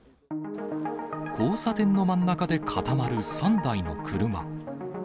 交差点の真ん中で固まる３台の車。